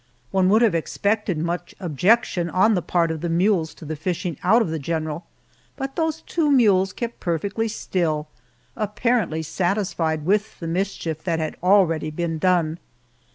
One would have expected much objection on the part of the mules to the fishing out of the general, but those two mules kept perfectly still, apparently satisfied with the mischief that had already been done.